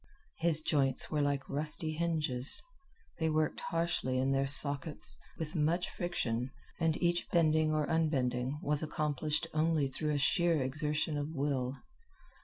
His joints were like rusty hinges. They worked harshly in their sockets, with much friction, and each bending or unbending was accomplished only through a sheer exertion of will.